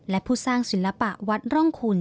และผู้สร้างศิลปะวัดร่องคุณ